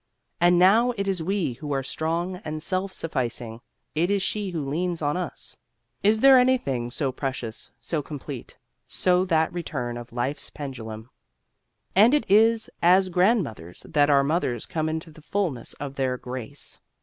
And now it is we who are strong and self sufficing; it is she who leans on us. Is there anything so precious, so complete, so that return of life's pendulum? And it is as grandmothers that our mothers come into the fullness of their grace.